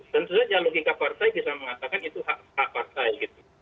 tentu saja logika partai bisa mengatakan itu hak hak partai gitu